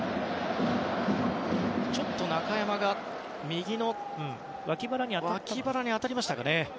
中山が右の脇腹に当たりましたかね。